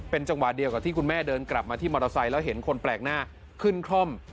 จังหวะเดียวกับที่คุณแม่เดินกลับมาที่มอเตอร์ไซค์แล้วเห็นคนแปลกหน้าขึ้นคล่อม